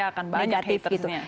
pasti akan banyak hatersnya